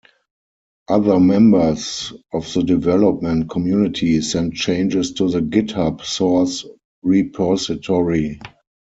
Other members of the development community send changes to the GitHub source repository.